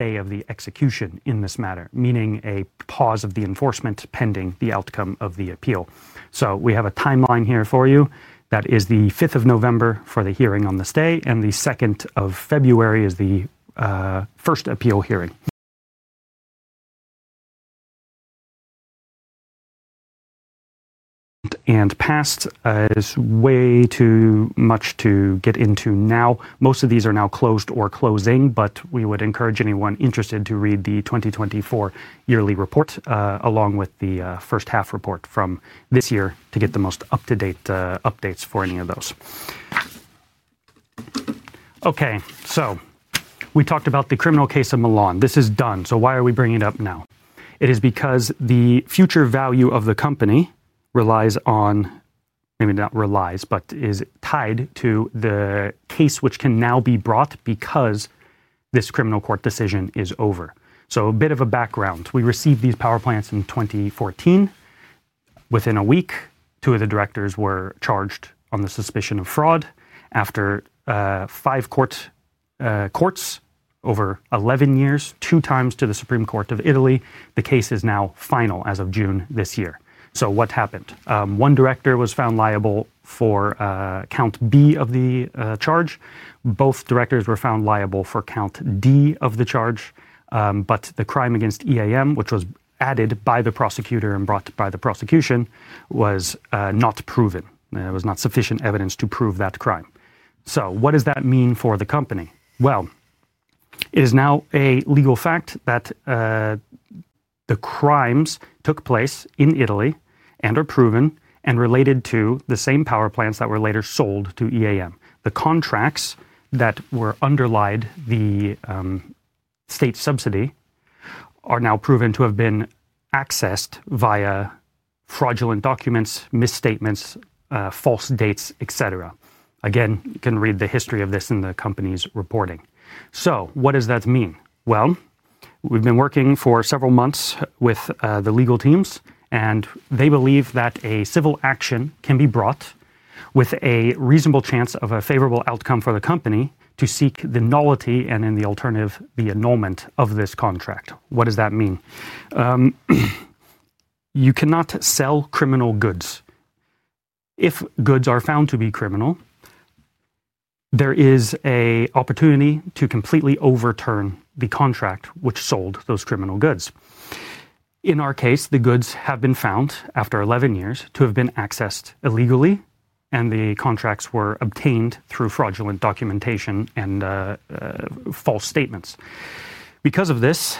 Day of the execution in this matter, meaning a pause of the enforcement pending the outcome of the appeal. We have a timeline here for you. That is the 5th of November for the hearing on this day, and the 2nd of February is the first appeal hearing. Past is way too much to get into now. Most of these are now closed or closing, but we would encourage anyone interested to read the 2020 yearly report along with the first half report from this year to get the most up-to-date updates for any of those. We talked about the criminal case of Milan. This is done. Why are we bringing it up now? It is because the future value of the company relies on, maybe not relies, but is tied to the case which can now be brought because this criminal court decision is over. A bit of a background. We received these power plants in 2014. Within a week, two of the directors were charged on the suspicion of fraud. After five courts over 11 years, two times to the Supreme Court of Italy, the case is now final as of June this year. What happened? One director was found liable for count B of the charge. Both directors were found liable for count D of the charge. The crime against EAM, which was added by the prosecutor and brought by the prosecution, was not proven. There was not sufficient evidence to prove that crime. What does that mean for the company? It is now a legal fact that the crimes took place in Italy and are proven and related to the same power plants that were later sold to EAM. The contracts that underlied the state subsidy are now proven to have been accessed via fraudulent documents, misstatements, false dates, etc. You can read the history of this in the company's reporting. What does that mean? We have been working for several months with the legal teams and they believe that a civil action can be brought with a reasonable chance of a favorable outcome for the company to seek the nullity and in the alternative, the annulment of this contract. What does that mean? You cannot sell criminal goods. If goods are found to be criminal, there is an opportunity to completely overturn the contract which sold those criminal goods. In our case, the goods have been found after 11 years to have been accessed illegally, and the contracts were obtained through fraudulent documentation and false statements. Because of this,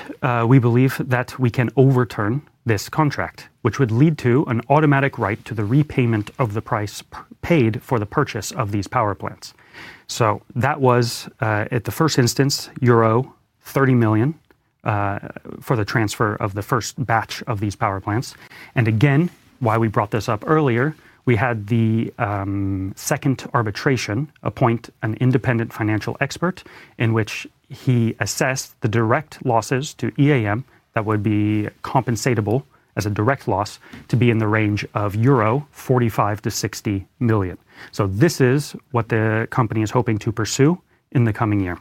we believe that we can overturn this contract, which would lead to an automatic right to the repayment of the price paid for the purchase of these power plants. That was at the first instance, €30 million for the transfer of the first batch of these power plants. Again, why we brought this up earlier, we had the second arbitration appoint an independent financial expert in which he assessed the direct losses to EAM Solar that would be compensatable as a direct loss to be in the range of €45 million to €60 million. This is what the company is hoping to pursue in the coming year.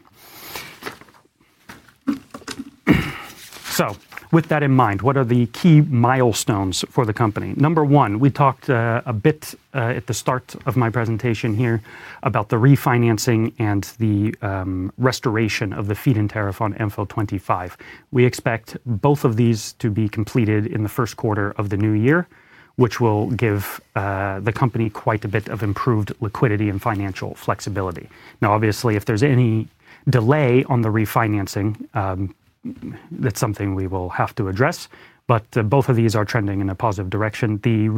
With that in mind, what are the key milestones for the company? Number one, we talked a bit at the start of my presentation here about the refinancing and the restoration of the feed-in tariff on MFIL 25. We expect both of these to be completed in the first quarter of the new year, which will give the company quite a bit of improved liquidity and financial flexibility. Obviously, if there's any delay on the refinancing, that's something we will have to address. Both of these are trending in a positive direction. The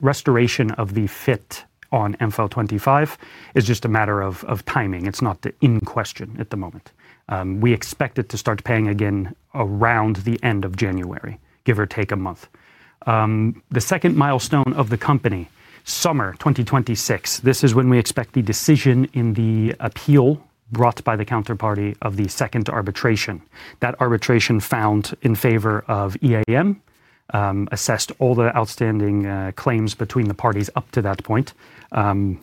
restoration of the feed-in tariff on MFIL 25 is just a matter of timing. It's not in question at the moment. We expect it to start paying again around the end of January, give or take a month. The second milestone of the company is summer 2026. This is when we expect the decision in the appeal brought by the counterparty of the second arbitration. That arbitration found in favor of EAM Solar, assessed all the outstanding claims between the parties up to that point, and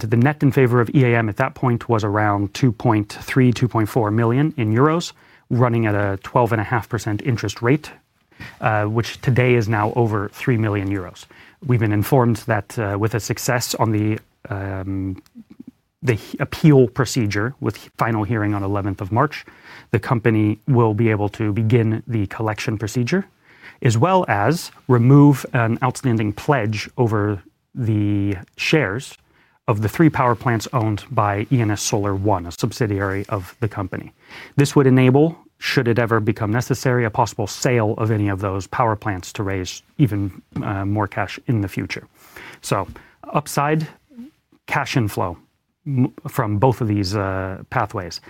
the net in favor of EAM Solar at that point was around €2.3 million to €2.4 million, running at a 12.5% interest rate, which today is now over €3 million. We've been informed that with a success on the appeal procedure, with final hearing on March 11, the company will be able to begin the collection procedure as well as remove an outstanding pledge over the shares of the three power plants owned by ENS Solar One, a subsidiary of the company. This would enable, should it ever become necessary, a possible sale of any of those power plants to raise even more cash in the future. Upside, cash inflow from both of these pathways;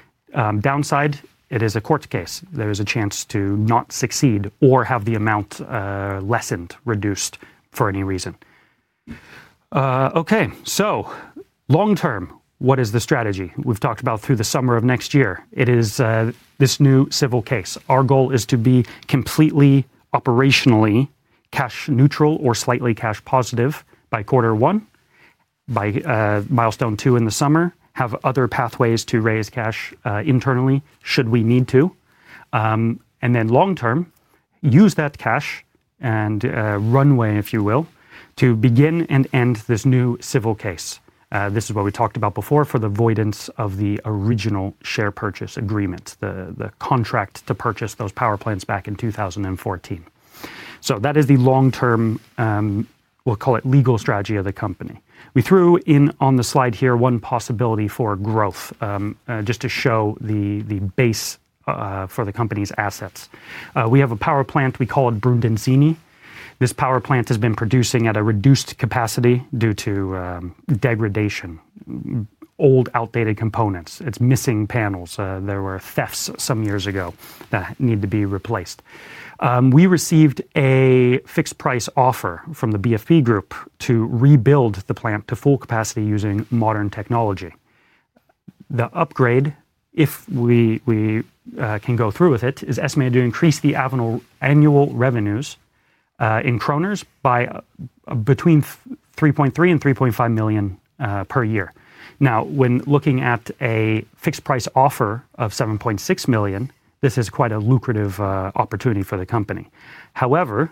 downside, it is a court case, there is a chance to not succeed or have the amount lessened, reduced for any reason. Long term, what is the strategy we've talked about through the summer of next year? It is this new civil case. Our goal is to be completely operationally cash neutral or slightly cash positive by quarter one, by milestone two in the summer, have other pathways to raise cash internally should we need to, and then long term, use that cash and runway, if you will, to begin and end this new civil case. This is what we talked about before. For the voidance of the original share purchase agreement, the contract to purchase those power plants back in 2014. That is the long term, we'll call it legal strategy of the company. We threw in on the slide here one possibility for growth. Just to show the base for the company's assets, we have a power plant. We call it Brundanzini. This power plant has been producing at a reduced capacity due to degradation, old outdated components. It's missing panels. There were thefts some years ago that need to be replaced. We received a fixed price offer from the BFP Group to rebuild the plant to full capacity using modern test technology. The upgrade, if we can go through with it, is estimated to increase the annual revenues in NOK by between 3.3 and 3.5 million per year. Now, when looking at a fixed price offer of 7.6 million, this is quite a lucrative opportunity for the company. However,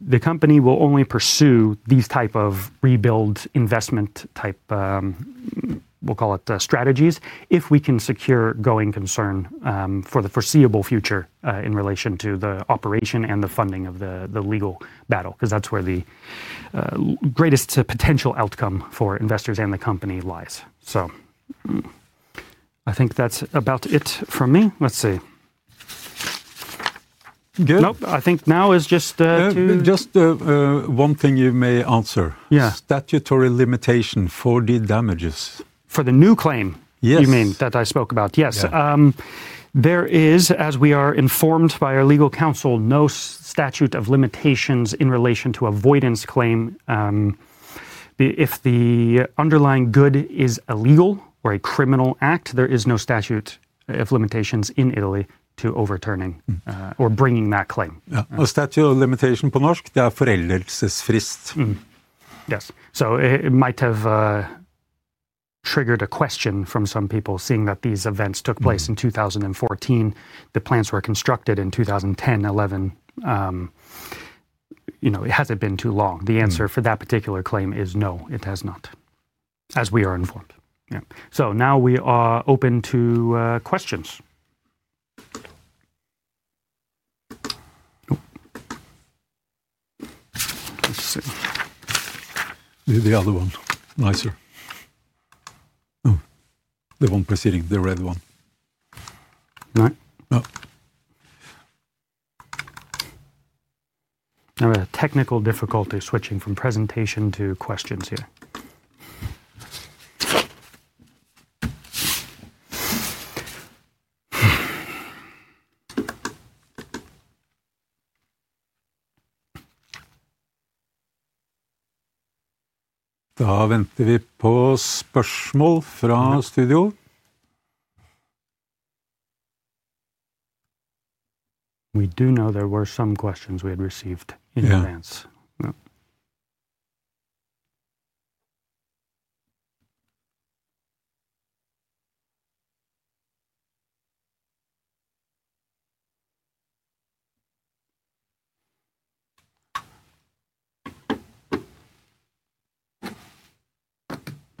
the company will only pursue these type of rebuild investment type, we'll call it strategies, if we can secure going concern for the foreseeable future in relation to the operation and the funding of the legal battle. That is where the greatest potential outcome for investors and the company lies. I think that's about it from me. Let's see. Good. Nope, I think now is just one thing. You may answer. Statute of limitations for the damages for the new claim. You mean that I spoke about? Yes. There is, as we are informed by our legal counsel, no statute of limitations in relation to avoidance claim if the underlying good is illegal or a criminal act. There is no statute of limitations in Italy to overturning or bringing that claim. Statute of limitations? Yes. It might have triggered a question from some people seeing that these events took place in 2014. The plants were constructed in 2010, 2011. Has it been too long? The answer for that particular claim is no, it has not. As we are informed now, we are open to questions. Nope. Let's see. The other one, nicer, the one preceding the red one. Right. Now a technical difficulty. Switching from presentation to questions here. We do know there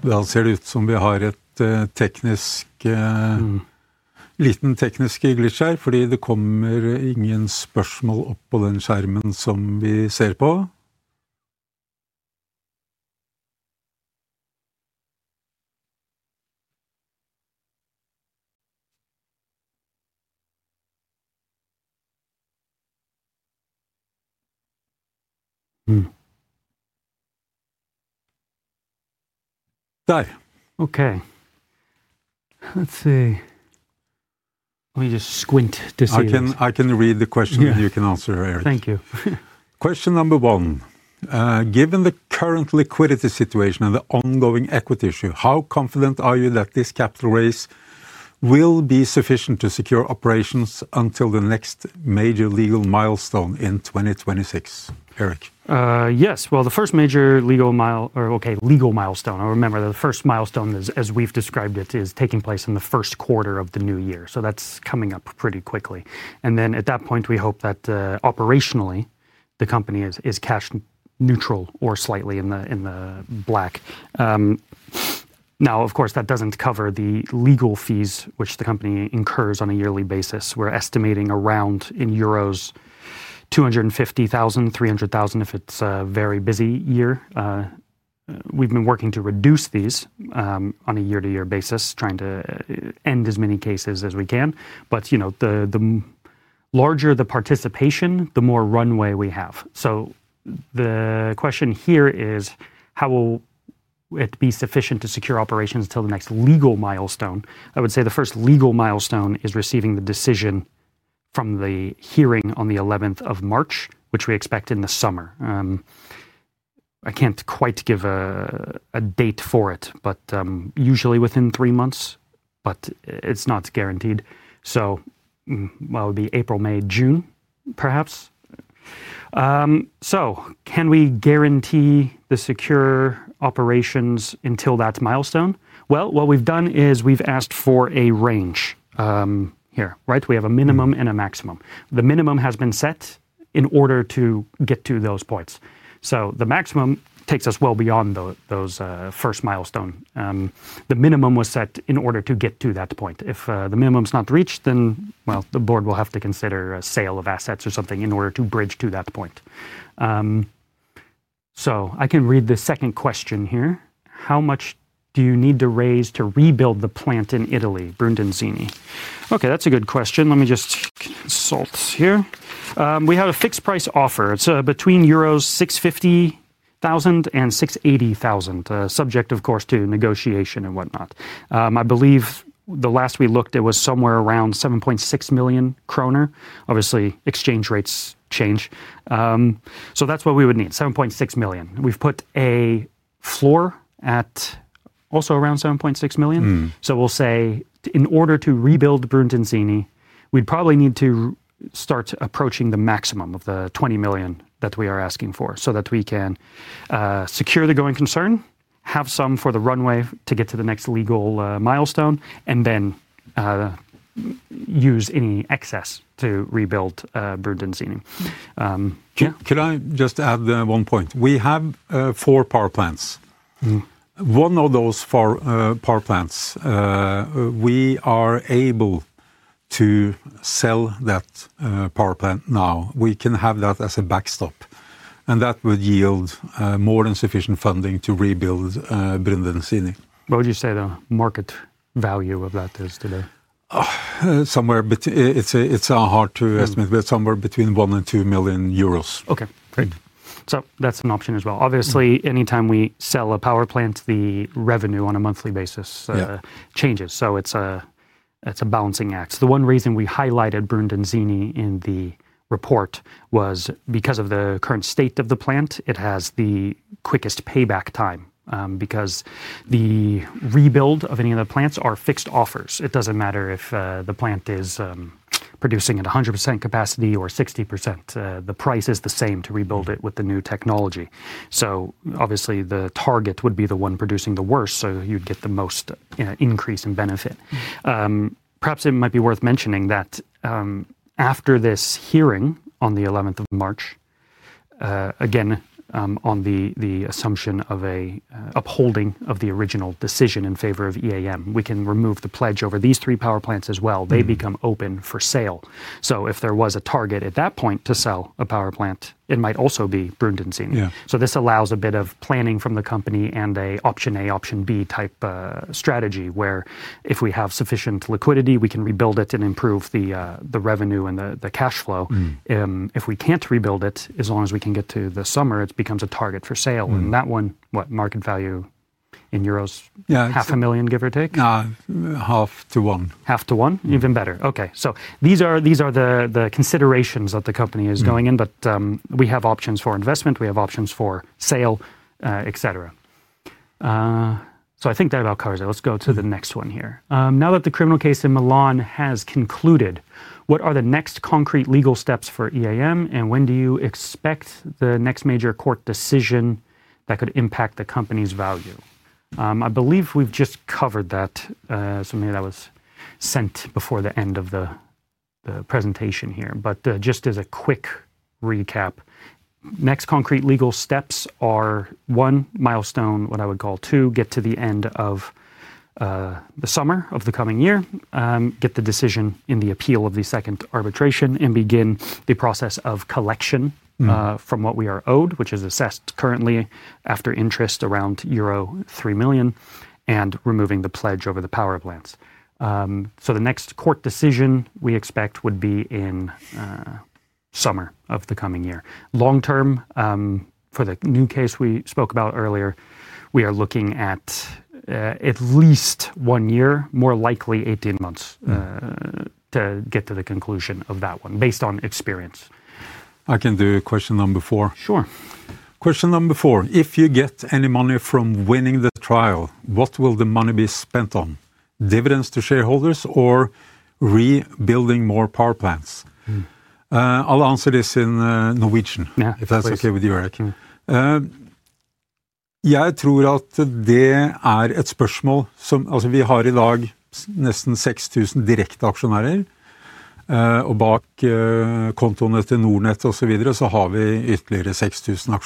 were some questions we had received in advance. Die. Okay, let's see. Let me just squint to see. I can read the question, and you can answer. Eric, thank you. Question number one. Given the current liquidity situation and the ongoing equity issue, how confident are you that this capital raise will be sufficient to secure operations until the next major legal milestone in 2026? Eric? Yes. The first major legal milestone, as we've described it, is taking place in the first quarter of the new year. That's coming up pretty quickly. At that point, we hope that operationally the company is cash neutral or slightly in the black. Of course, that doesn't cover the legal fees which the company incurs on a yearly basis. We're estimating around €250,000, €300,000 if it's a very busy year. We've been working to reduce these on a year-to-year basis, trying to end as many cases as we can. The larger the participation, the more runway we have. The question here is how will it be sufficient to secure operations until the next legal milestone? I would say the first legal milestone is receiving the decision from the hearing on the 11th of March, which we expect in the summer. I can't quite give a date for it, but usually within three months. It's not guaranteed. It could be April, May, June, perhaps. Can we guarantee the secure operations until that milestone? What we've done is we've asked for a range here, right? We have a minimum and a maximum. The minimum has been set in order to get to those points. The maximum takes us well beyond those first milestones. The minimum was set in order to get to that point. If the minimum is not reached, the board will have to consider a sale of assets or something in order to bridge to that point. I can read the second question here. How much do you need to raise to rebuild the plant in Italy, Brundanzini? That's a good question. Let me just consult here. We have a fixed price offer. It's between €650,000 and €680,000, subject of course to negotiation and whatnot. I believe the last we looked it was somewhere around 7.6 million kroner. Obviously, exchange rates change, so that's what we would need. 7.6 million. We've put a floor at also around 7.6 million. In order to rebuild Brundanzini, we'd probably need to start approaching the maximum of the 20 million that we are asking for so that we can secure the going concern, have some for the runway to get to the next legal milestone, and then use any excess to rebuild Brundanzini. Can I just add one point? We have four power plants. One of those four power plants, we are able to sell that power plant now. We can have that as a backstop. That would yield more than sufficient funding to rebuild Brundanzini. What would you say the market value of that is today, somewhere? It's hard to estimate, but somewhere between €1 million and €2 million. Okay, great. That's an option as well. Obviously, anytime we sell a power plant, the revenue on a monthly basis changes. It's a balancing act. The one reason we highlighted Brundanzini in the report was because of the current state of the plant. It has the quickest payback time because the rebuild of any of the plants are fixed offers. It doesn't matter if the plant is producing at 100% capacity or 60%. The price is the same to rebuild it with the new technology. Obviously, the target would be the one producing the worst, so you'd get the most increase in benefit. Perhaps it might be worth mentioning that after this hearing on the 11th of March, again on the assumption of upholding of the original decision in favor of EAM, we can remove the pledge over these three power plants as well. They become open for sale. If there was a target at that point to sell a power plant, it might also be Brundanzini. This allows a bit of planning from the company and an option A, option B type strategy where if we have sufficient liquidity, we can rebuild it and improve the revenue and the cash flow. If we can't rebuild it, as long as we can get to the summer, it becomes a target for sale. That one, what market value in euros? Half a million, give or take. Half to one, half to one, even better. These are the considerations that the company is going in, but we have options for investment, we have options for sale, etc. I think that about covers it. Let's go to the next one here. Now that the criminal case in Milan has concluded, what are the next concrete legal steps for EAM and when do you expect the next major court decision that could impact the company's value? I believe we've just covered that, so maybe that was sent before the end of the presentation here. Just as a quick recap, next concrete legal steps are one milestone, what I would call two, get to the end of the summer of the coming year, get the decision in the appeal of the second arbitration and begin the process of collection from what we are owed, which is assessed currently, after interest, around €3 million and removing the pledge over the power plants. The next court decision we expect would be in summer of the coming year. Long term for the new case we spoke about earlier, we are looking at at least one year, more likely 18 months, to get to the conclusion of that one. Based on experience, I can do. Question number four. Question number four. If you get any money from winning the trial, what will the money be spent on? Dividends to shareholders or rebuilding more power plants? I'll answer this in Norwegian, if that's okay with you, Eric. Throughout the day, it's personal.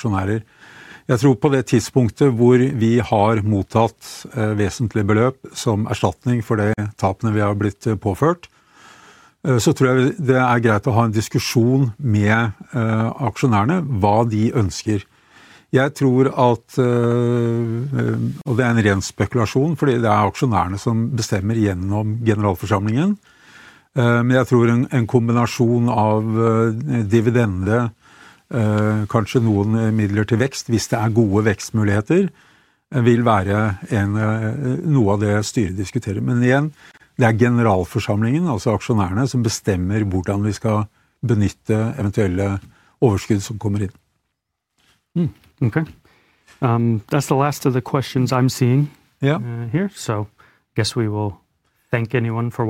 Some also. The hardilog. Okay, that's the last of the questions I'm seeing. Yeah. I guess we will thank anyone for watching.